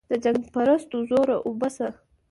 د جنګ پرستو زور اوبه شه.